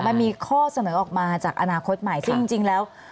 มันมีข้อเสนอออกมาจากอนาคตใหม่ซึ่งจริงแล้ว